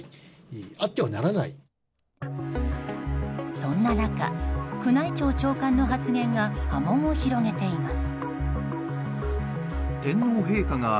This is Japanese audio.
そんな中、宮内庁長官の発言が波紋を広げています。